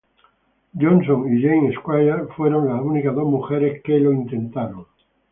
Johnson y Jane Squire fueron las únicas dos mujeres que lo intentaron.